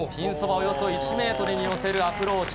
およそ１メートルに寄せるアプローチ。